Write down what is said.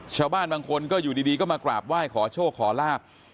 ชาวบ้านบางคนก็อยู่ดีก็มากราบไหว้ขอโชคขอลาบ